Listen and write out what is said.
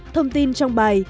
thông tin trong bài